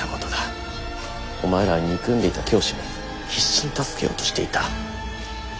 お前らは憎んでいた教師を必死に助けようとしていた。